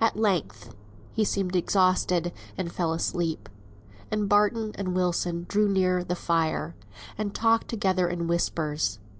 At length he seemed exhausted, and fell asleep; and Barton and Wilson drew near the fire, and talked together in whispers.